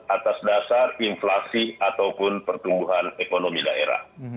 atas dasar inflasi ataupun pertumbuhan ekonomi daerah